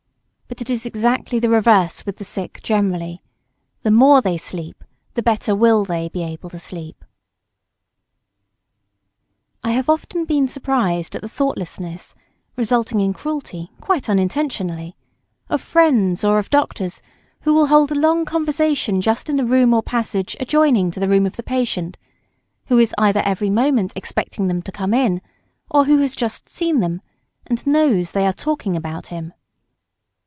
But it is exactly the reverse with the sick generally; the more they sleep, the better will they be able to sleep. [Sidenote: Noise which excites expectation.] [Sidenote: Whispered conversation in the room.] I have often been surprised at the thoughtlessness, (resulting in cruelty, quite unintentionally) of friends or of doctors who will hold a long conversation just in the room or passage adjoining to the room of the patient, who is either every moment expecting them to come in, or who has just seen them, and knows they are talking about him.